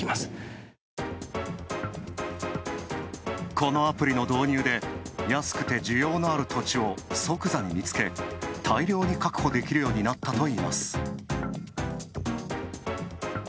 このアプリの導入で安くて需要のある土地を即座に見つけ、大量に確保できるようになったといいます。